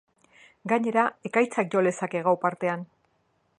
Gainera, ekaitzak jo lezake gau partean.